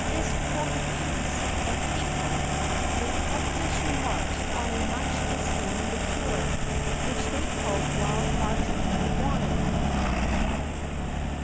Dioscorides[X 26] and Cato[X 27] make copious remarks on a much esteemed liqueur, which they called wild marjoram wine.